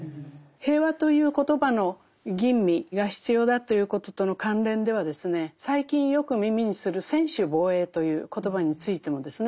「平和」という言葉の吟味が必要だということとの関連ではですね最近よく耳にする専守防衛という言葉についてもですね